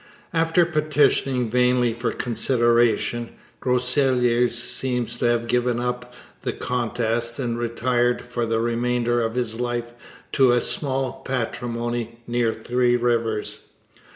After petitioning vainly for consideration, Groseilliers seems to have given up the contest and retired for the remainder of his life to a small patrimony near Three Rivers.